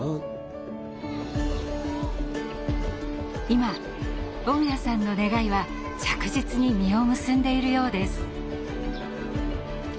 今雄谷さんの願いは着実に実を結んでいるようです。